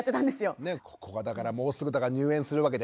ここがだからもうすぐ入園するわけで。